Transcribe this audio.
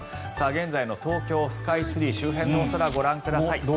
現在の東京スカイツリー周辺のお空ご覧ください。